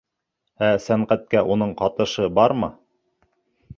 Ә сәнғәткә уның ҡатышы бармы?